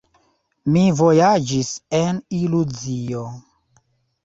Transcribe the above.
Mi vojaĝis en iluzio.